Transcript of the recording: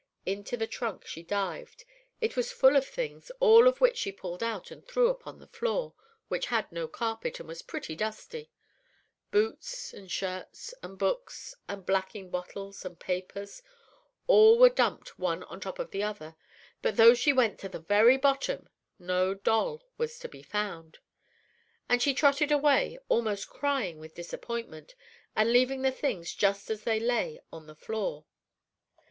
Into the trunk she dived. It was full of things, all of which she pulled out and threw upon the floor, which had no carpet, and was pretty dusty. Boots, and shirts, and books, and blacking bottles, and papers, all were dumped one on top of the other; but though she went to the very bottom, no doll was to be found, and she trotted away, almost crying with disappointment, and leaving the things just as they lay, on the floor.